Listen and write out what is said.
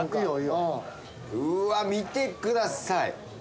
うわー、見てください。